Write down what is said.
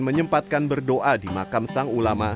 menyempatkan berdoa di makam sang ulama